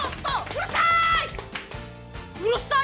うるさい！